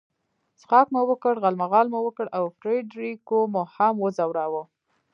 څښاک مو وکړ، غالمغال مو وکړ او فرېډریکو مو هم وځوراوه.